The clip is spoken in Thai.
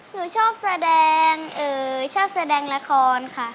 หนูชอบแสดงชอบแสดงละครค่ะ